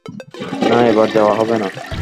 না এভার যাওয়া হবে না।